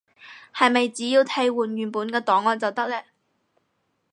係咪只要替換原本嘅檔案就得喇？